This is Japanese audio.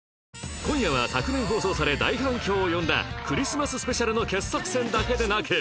今夜は昨年放送され大反響を呼んだクリスマススペシャルの傑作選だけでなく